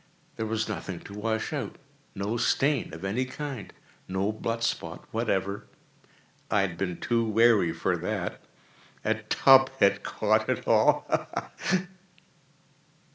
There was nothing to wash out—no stain of any kind—no blood spot whatever. I had been too wary for that. A tub had caught all—ha! ha!